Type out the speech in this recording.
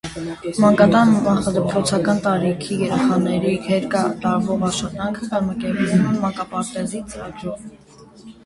Մանկատան նախադպրոցական տարիքի երեխաների հետ տարվող աշխատանքը կազմակերպում է մանկապարտեզի ծրագրով։